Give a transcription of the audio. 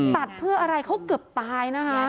ตัดเขาเพื่ออะไรเขาเกือบไป